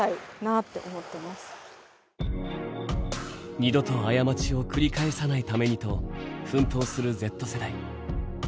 二度と過ちを繰り返さないためにと奮闘するＺ世代。